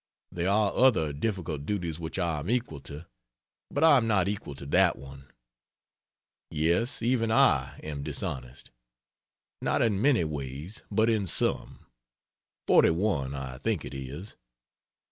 There are other difficult duties which I am equal to, but I am not equal to that one. Yes, even I am dishonest. Not in many ways, but in some. Forty one, I think it is.